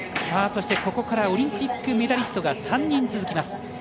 ここからオリンピックメダリストが３人続きます。